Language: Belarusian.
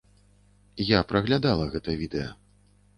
Я праглядала гэта відэа.